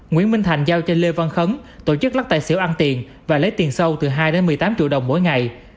nguyễn minh thành giao cho lê văn khấn tổ chức lắc tài xỉu ăn tiền và lấy tiền sâu từ hai đến một mươi tám triệu đồng mỗi ngày